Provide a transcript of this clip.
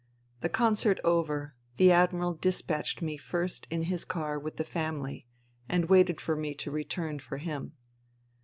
The concert over, the Admiral dispatched me first in his car with the family and waited for me to return for him.